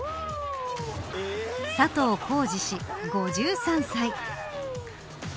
佐藤恒治氏、５３歳。